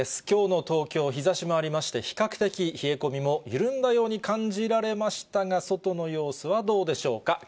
きょうの東京、日ざしもありまして、比較的冷え込みも緩んだように感じられましたが、外の様子はどうでしょうか。